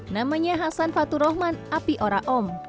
namanya hasan fatur rahman api ora om